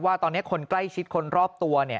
ว่าตอนนี้คนใกล้ชิดคนรอบตัวเนี่ย